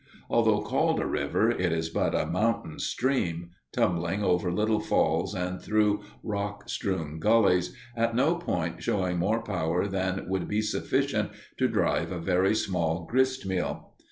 Although called a river, it is but a mountain stream, tumbling over little falls and through rock strewn gullies, at no point showing more power than would be sufficient to drive a very small grist mill.